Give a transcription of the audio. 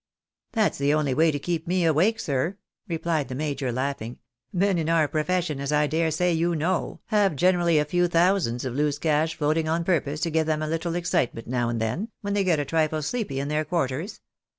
" That's the only way to keep me awake, sir," replied the major, laughing. " Men in our profession, as I dare say you know, have generally a few thousands of loose cash floating on purpose to give them a little excitement now and then, when they get a trifle sleepy in their quarters.